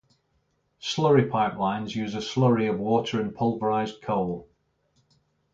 Slurry pipelines use a slurry of water and pulverized coal.